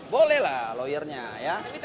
boleh lah lawyernya ya